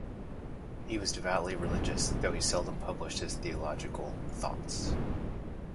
He was devoutly religious, though he seldom published his theological thoughts.